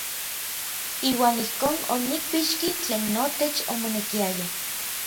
Iuan ijkon onikpixki tlen notech omonekiaya.